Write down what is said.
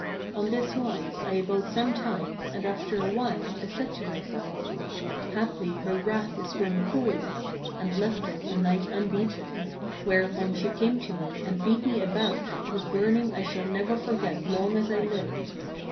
On this wise I abode some time and after a while I said to myself, 'Haply her wrath is grown cool;' and left them a night unbeaten, whereupon she came to me and beat me a bout whose burning I shall never forget long as I live.